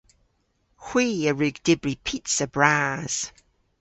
Hwi a wrug dybri pizza bras.